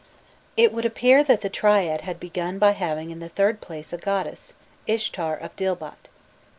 It would appear that the triad had begun by having in the third place a goddess, Ishtar of Dilbat.